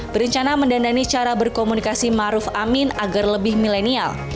berencana mendandani cara berkomunikasi maruf amin agar lebih milenial